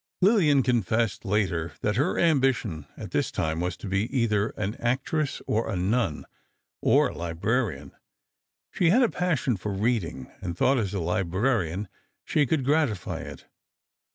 Lillian confessed later that her ambition at this time was to be either an actress or a nun—or a librarian. She had a passion for reading, and thought as a librarian she could gratify it.